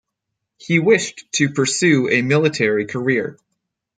He wished to pursue a military career.